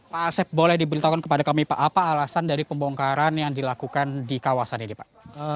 pak asep boleh diberitahukan kepada kami pak apa alasan dari pembongkaran yang dilakukan di kawasan ini pak